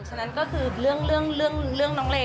ฉะนั้นก็คือเรื่องเรื่องน้องเรย์